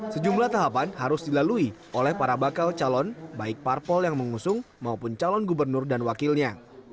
sejumlah tahapan harus dilalui oleh para bakal calon baik parpol yang mengusung maupun calon gubernur dan wakilnya